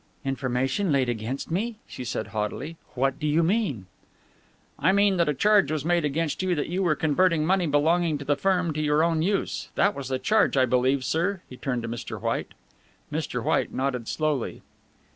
"Information laid against me?" she said haughtily. "What do you mean?" "I mean, that a charge was made against you that you were converting money belonging to the firm to your own use. That was the charge, I believe, sir?" He turned to Mr. White. Mr. White nodded slowly.